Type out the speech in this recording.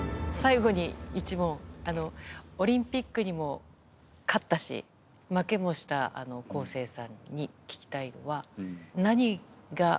オリンピックにも勝ったし負けもした康生さんに聞きたいのは。